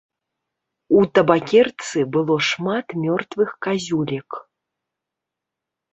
У табакерцы было шмат мёртвых казюлек.